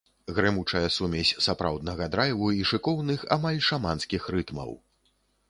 Грымучая сумесь сапраўднага драйву і шыкоўных, амаль шаманскіх рытмаў.